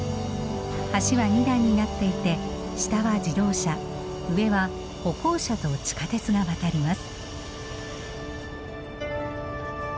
橋は二段になっていて下は自動車上は歩行者と地下鉄が渡ります。